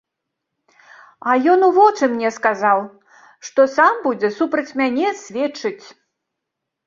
А ён у вочы мне сказаў, што сам будзе супраць мяне сведчыць.